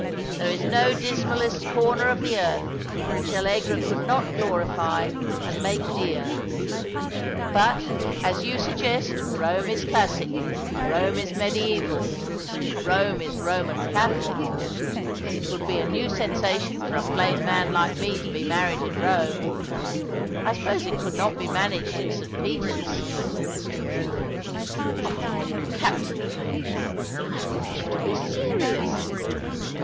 There is no dismallest corner of the earth which Allegra conld not glorify and make dea?. In Silken Cords. 277 But, as you suggest, Kome is classic — Rome is mediaoval — Rome is Roman Catholic. It would be a new sensation for a plain man like me to be married in Rome. I suppose it could not be managed in St. Peter's ?"" Oh, Captain Hulbert, I want you to bo serious."